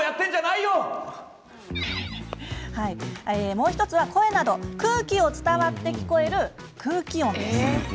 もう１つは、声など空気を伝わって聞こえる空気音。